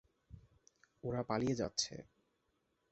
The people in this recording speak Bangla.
ওরা পালিয়ে যাচ্ছে।